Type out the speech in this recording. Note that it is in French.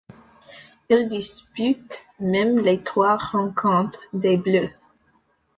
Il dispute même les trois rencontres des Bleus.